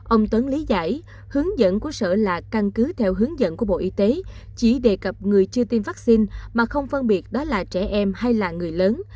ông tuấn lý giải hướng dẫn của sở là căn cứ theo hướng dẫn của bộ y tế chỉ đề cập người chưa tiêm vaccine mà không phân biệt đó là trẻ em hay là người lớn